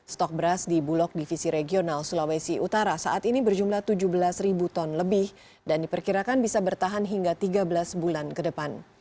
stok beras di bulog divisi regional sulawesi utara saat ini berjumlah tujuh belas ton lebih dan diperkirakan bisa bertahan hingga tiga belas bulan ke depan